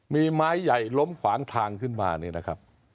มีไม้ใหญ่ล้มขวางทางขึ้นมาเนี่ยนะครับ